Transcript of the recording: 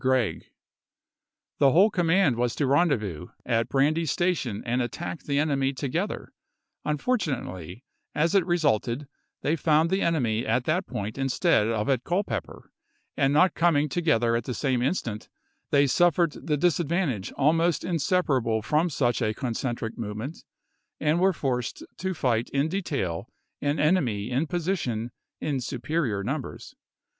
Gregg. The whole command was to rendezvous at Brandy Station and attack the enemy together; unfortu nately, as it resulted, they found the enemy at that point instead of at Culpeper, and not coming to gether at the same instant, they suffered the disad vantage almost inseparable from such a concentric movement, and were forced to fight in detail an enemy in position, in superior numbers.